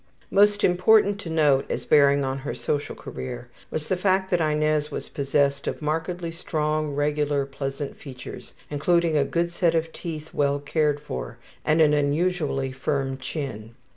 Most important to note as bearing on her social career was the fact that Inez was possessed of markedly strong, regular, pleasant features, including a good set of teeth well cared for, and an unusually firm chin.